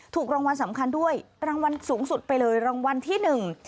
ถูกรางวัลสำคัญด้วยรางวัลสูงสุดไปเลยรางวัลที่หนึ่ง